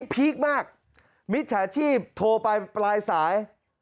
พีคมากมิจฉาชีพโทรไปปลายสาย